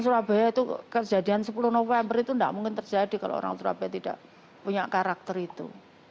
surabaya itu kejadian sepuluh november itu tidak mungkin terjadi kalau orang surabaya tidak punya karakter itu